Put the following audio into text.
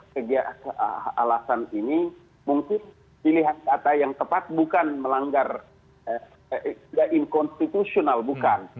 kegiatan alasan ini mungkin pilihan kata yang tepat bukan melanggar tidak inkonstitusional bukan